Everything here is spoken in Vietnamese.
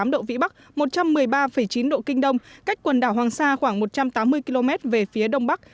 một mươi độ vĩ bắc một trăm một mươi ba chín độ kinh đông cách quần đảo hoàng sa khoảng một trăm tám mươi km về phía đông bắc